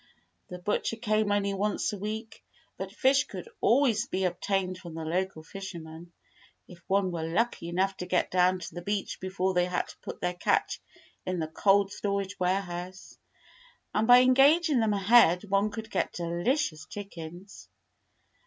The butcher came only once a week, but fish could always be ob tained from the local fishermen, if one were lucky enough to get down to the beach before they had put their catch in the cold storage warehouse; and by en gaging them ahead, one could get delicious chickens.